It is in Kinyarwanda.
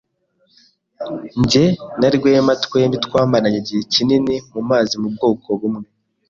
Jye na Rwema twembi twamaranye igihe kinini mu mazi mu bwoko bumwe.